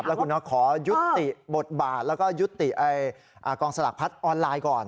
แล้วคุณน็อตขอยุติบทบาทแล้วก็ยุติกองสลากพัดออนไลน์ก่อน